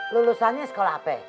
lulusannya sekolah apa